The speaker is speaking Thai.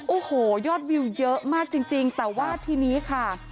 โอ้โหยอดวิวเยอะมากจริงแต่ว่าทีนี้ค่ะ